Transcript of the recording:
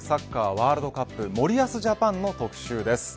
ワールドカップ森保ジャパンの特集です。